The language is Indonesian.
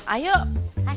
kayak panduan suara